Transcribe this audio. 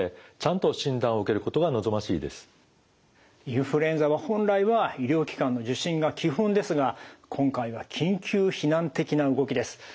インフルエンザは本来は医療機関の受診が基本ですが今回は緊急避難的な動きです。